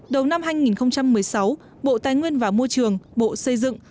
đầu năm hai nghìn một mươi sáu bộ tài nguyên và môi trường bộ xây dựng